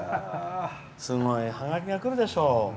すごいハガキがくるでしょう。